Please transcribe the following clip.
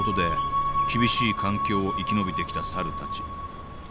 厳しい環境を生き延びてきたサルたち。